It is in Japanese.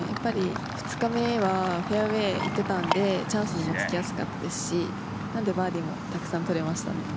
２日目はフェアウェー行ってたのでチャンスにもつきやすかったですしなのでバーディーもたくさん取れました。